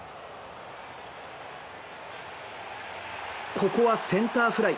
ここはセンターフライ